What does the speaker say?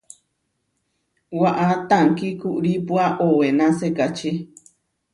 Waʼá tankí kuʼrípua owená sekačí.